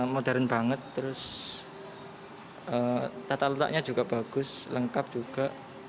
modern banget terus tata letaknya juga bagus lengkap juga